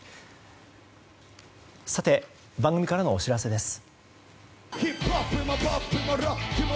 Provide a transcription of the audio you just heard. さて番組からのお知らせです。